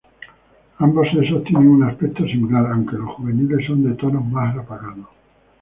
Ambos sexos tienen un aspecto similar, aunque los juveniles son de tonos más apagados.